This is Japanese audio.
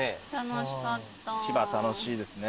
市場楽しいですね。